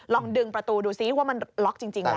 ลองดึงประตูดูซิว่ามันล็อคจริงแล้วหรือยัง